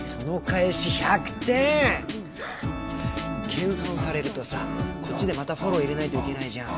謙遜されるとさぁこっちでまたフォロー入れないといけないじゃん？